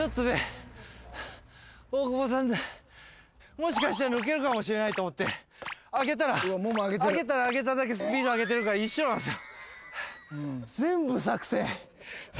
もしかしたら抜けるかもしれないと思って上げたら上げたら上げただけスピード上げてるから一緒なんすよ。